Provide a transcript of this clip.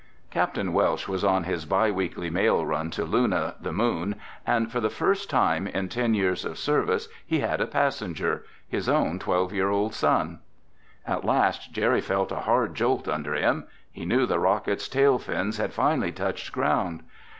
Capt. Welsh was on his bi weekly mail run to Luna, the Moon, and for the first time in ten years of service he had a passenger—his own twelve year old son. At last Jerry felt a hard jolt under him. He knew the rocket's tail fins had finally touched ground.